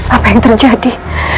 apa yang terjadi